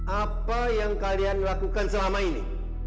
apa yang kalian lakukan selama ini